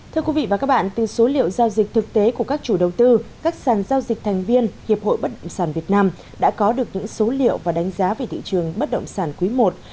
thưa quý vị và các bạn từ số liệu giao dịch thực tế của các chủ đầu tư các sàn giao dịch thành viên hiệp hội bất động sản việt nam đã có được những số liệu và đánh giá về thị trường bất động sản quý i